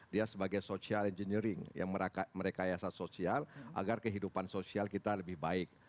dia sebagai social engineering yang merekayasa sosial agar kehidupan sosial kita lebih baik